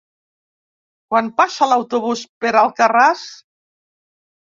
Quan passa l'autobús per Alcarràs?